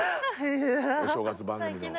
お正月番組の。